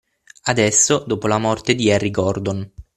Adesso, dopo la morte di Harry Gordon